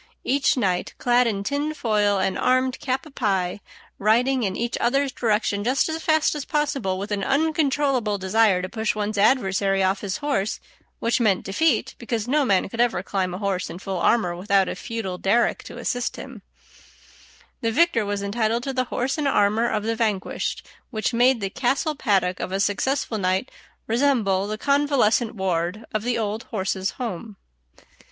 Each knight, clad in tin foil and armed cap a pie, riding in each other's direction just as fast as possible with an uncontrollable desire to push one's adversary off his horse, which meant defeat, because no man could ever climb a horse in full armor without a feudal derrick to assist him. [Illustration: A JUDICIAL COMBAT.] The victor was entitled to the horse and armor of the vanquished, which made the castle paddock of a successful knight resemble the convalescent ward of the Old Horses' Home.